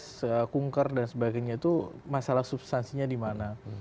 objek auditnya itu apa terkait dengan reses kunker dan sebagainya itu masalah substansinya di mana